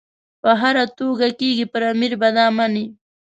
په هره توګه کېږي پر امیر به دا مني.